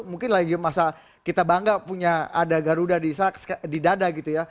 mungkin lagi masa kita bangga punya ada garuda di dada gitu ya